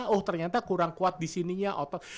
oh ternyata kurang kuat di sininya otot